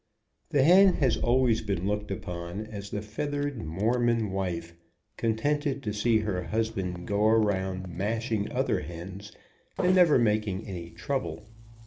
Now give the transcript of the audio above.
The hen has always been looked upon as the feathered Mormon wife, contented to see her husband go around mash ing other hens, and never making any trouble.